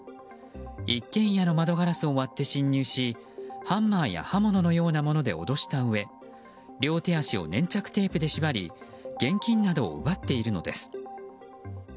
一軒家の窓ガラスを割って侵入しハンマーや刃物のようなもので脅したうえ両手足を粘着テープで縛り現金などを奪っているのです。